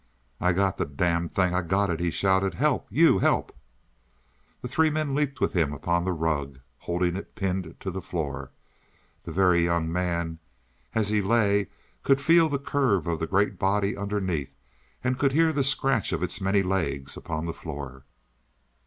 "I've got the damned thing. I've got it!" he shouted. "Help you. Help!" The three men leaped with him upon the rug, holding it pinned to the floor. The Very Young Man, as he lay, could feel the curve of the great body underneath, and could hear the scratch of its many legs upon the floor.